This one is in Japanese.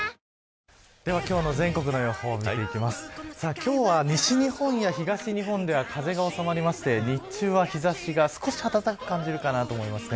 今日は西日本や東日本では風が収まりまして日中は、日差しが少し暖かく感じるかと思います。